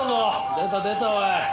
出た出たおい。